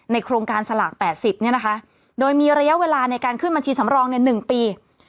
ในโครงการสละแปดสิบเนี่ยนะคะโดยมีระยะเวลาในการขึ้นบัญชีสำรองเนี่ยหนึ่งปี